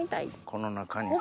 この中に。